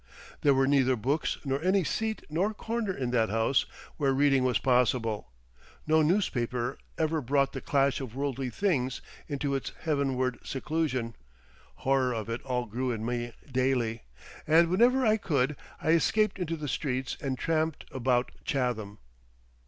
There were neither books nor any seat nor corner in that house where reading was possible, no newspaper ever brought the clash of worldly things into its heavenward seclusion; horror of it all grew in me daily, and whenever I could I escaped into the streets and tramped about Chatham.